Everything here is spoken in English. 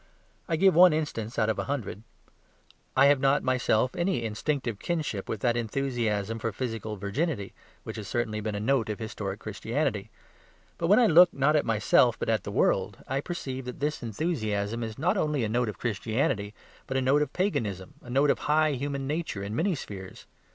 I give one instance out of a hundred; I have not myself any instinctive kinship with that enthusiasm for physical virginity, which has certainly been a note of historic Christianity. But when I look not at myself but at the world, I perceive that this enthusiasm is not only a note of Christianity, but a note of Paganism, a note of high human nature in many spheres.